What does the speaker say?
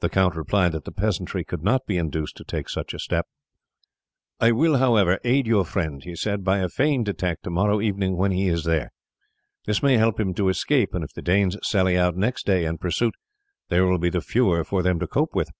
The count replied that the peasantry could not be induced to take such a step. "I will, however, aid your friend," he said, "by a feigned attack to morrow evening when he is there. This may help him to escape, and if the Danes sally out next day in pursuit there will be the fewer for him to cope with."